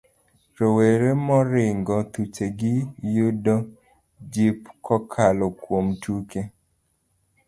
Rowere moringo thuchegi yudo jip kokalo kuom tuke.